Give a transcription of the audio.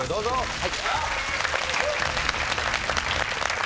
はい。